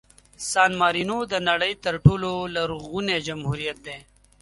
سان مارینو د نړۍ تر ټولو لرغوني جمهوریت دی.